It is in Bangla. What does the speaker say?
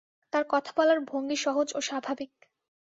তাঁর কথা বলার ভঙ্গি সহজ ও স্বাভাবিক।